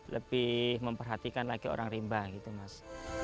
lebih memperhatikan lagi orang rimba gitu mas